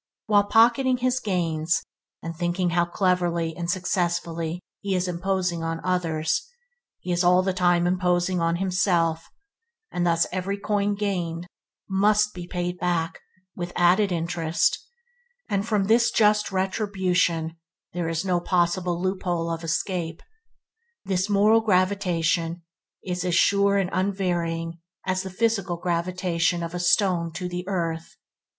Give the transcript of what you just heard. While pocketing his gains, and thinking how cleverly and successfully he is imposing on others, he is all the time imposing on himself, and every coin thus gained must be paid back with added interest, and from this just retribution there is no possible loophole of escape. This moral gravitation is an sure and unvarying as the physical gravitation of a stone to the earth.